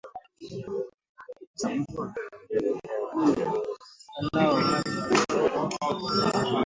ambao ulitiliwa ulipitishwa na mabaraza mawili ya